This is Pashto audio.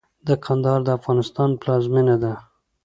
د کندهار د افغانستان پلازمېنه ده.